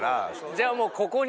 じゃあもう。